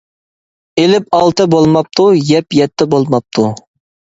ئېلىپ ئالتە بولماپتۇ، يەپ يەتتە بولماپتۇ.